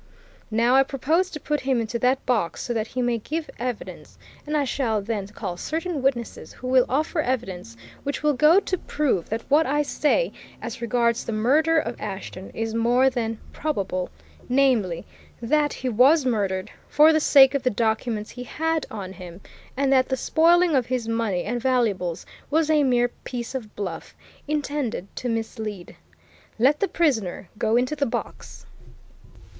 Now, I propose to put him into that box so that he may give evidence, and I shall then call certain witnesses who will offer evidence which will go to prove that what I say as regards the murder of Ashton is more than probable namely, that he was murdered for the sake of the documents he had on him, and that the spoiling of his money and valuables was a mere piece of bluff, intended to mislead. Let the prisoner go into the box!"